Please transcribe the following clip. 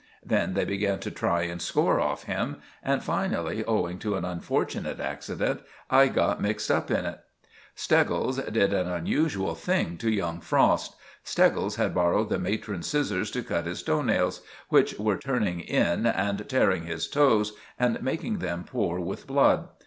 Then they began to try and score off him, and finally, owing to an unfortunate accident, I got mixed up in it. Steggles did an unusual thing to young Frost. Steggles had borrowed the matron's scissors to cut his toe nails, which were turning in and tearing his toes and making them pour with blood.